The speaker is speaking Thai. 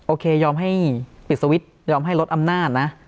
ยอมให้ปิดสวิตช์ยอมให้ลดอำนาจนะ